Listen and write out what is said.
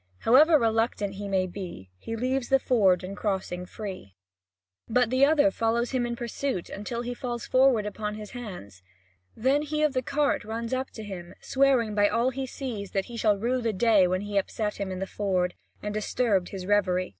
However reluctant he may be, he leaves the ford and crossing free. But the other follows him in pursuit until he falls forward upon his hands; then he of the cart runs up to him, swearing by all he sees that he shall rue the day when he upset him in the ford and disturbed his revery.